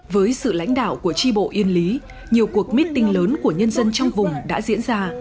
với sự lãnh đạo của tri bộ yên lý nhiều cuộc meeting lớn của nhân dân trong vùng đã diễn ra